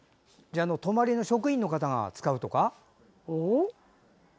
泊まりの職員の方が使うとか？